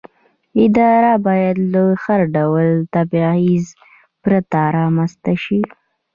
اداره باید له هر ډول تبعیض پرته رامنځته شي.